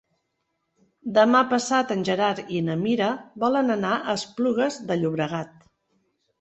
Demà passat en Gerard i na Mira volen anar a Esplugues de Llobregat.